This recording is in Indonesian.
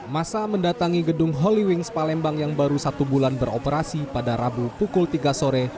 masa mendatangi gedung holy wings palembang yang baru satu bulan beroperasi pada rabu pukul tiga sore